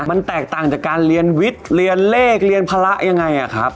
มันแตกต่างจากการเรียนวิทย์เรียนเลขเรียนภาระยังไงอะครับ